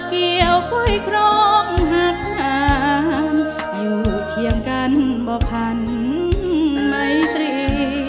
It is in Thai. เกี่ยวก้อยครองหักงามอยู่เคียงกันประพันธ์ไม่เสร็จ